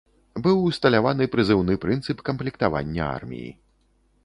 Быў усталяваны прызыўны прынцып камплектавання арміі.